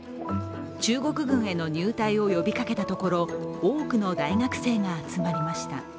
中国軍への入隊を呼びかけたところ多くの大学生が集まりました。